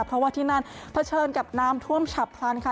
เพราะว่าที่นั่นเผชิญกับน้ำท่วมฉับพลันค่ะ